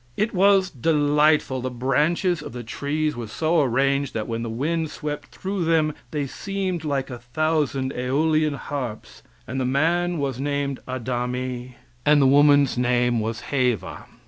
It was delightful; the branches of the trees were so arranged that when the wind swept through them they seemed like a thousand aeolian harps, and the man was named Adami, and the Woman's name was Heva.